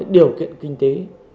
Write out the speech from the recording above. điều kiện kinh tế